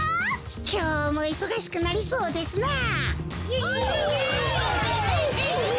きょうもいそがしくなりそうですなあ。